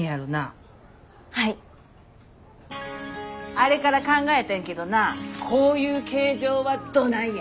あれから考えてんけどなこういう形状はどないや。